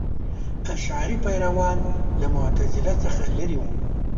اشعري پیروان له معتزله څخه لرې وو.